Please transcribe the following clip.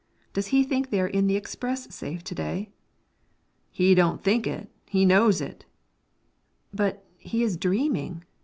Does he think they are in the express safe to day?" "He don't think it; he knows it." "But, he is dreaming.